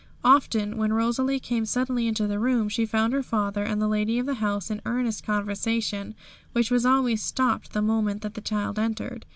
Often when Rosalie came suddenly into the room, she found her father and the lady of the house in earnest conversation, which was always stopped the moment that the child entered.